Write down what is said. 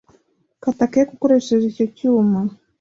Kata cake ukoresheje icyo cyuma.